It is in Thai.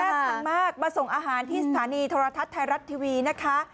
ทางมากมาส่งอาหารที่สถานีโทรทัศน์ไทยรัฐทีวีนะคะ